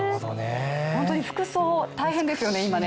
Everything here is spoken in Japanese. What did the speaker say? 本当に服装、大変ですよね、今ね。